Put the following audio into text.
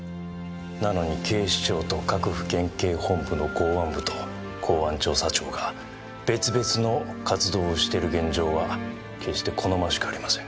なのに警視庁と各府県警本部の公安部と公安調査庁が別々の活動をしている現状は決して好ましくありません。